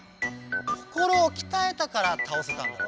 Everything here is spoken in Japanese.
心をきたえたからたおせたんだろ？